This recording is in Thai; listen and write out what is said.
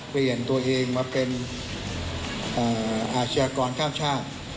เปลี่ยนตัวเองมาเป็นอาชญากรข้ามชาติ